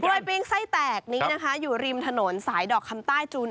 ปิ้งไส้แตกนี้นะคะอยู่ริมถนนสายดอกคำใต้จูน